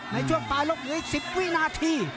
ในช่วงปลายลบเหลืออีก๑๐วินาที